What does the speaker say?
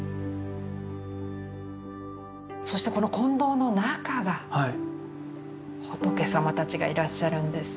そしてこの金堂の中が仏様たちがいらっしゃるんです。